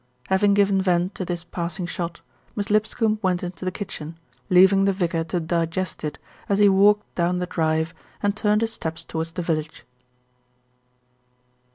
Having given vent to this passing shot, Miss Lip scombe went into the kitchen, leaving the vicar to digest it as he walked down the drive and turned his steps towards the village.